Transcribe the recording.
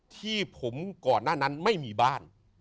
ที่ผมก่อนหน้านั้นไม่มีบ้าน